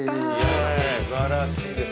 素晴らしいです。